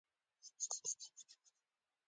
یم مومن خان ستا په کومک راغلی یم.